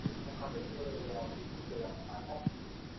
ایا د جګړې او سولې رومان موږ ته انسانیت را زده کوي؟